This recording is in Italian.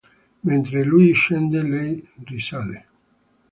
Mentre lui scende, lei risale.